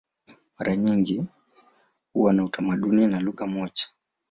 Mara nyingi huwa na utamaduni na lugha moja.